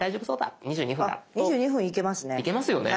あっ２２分いけますね。